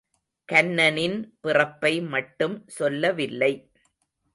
கன்னனின் பிறப்பை மட்டும் சொல்லவில்லை.